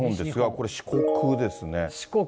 これ、四国ですね。